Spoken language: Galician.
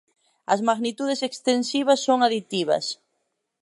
As magnitudes extensivas son aditivas.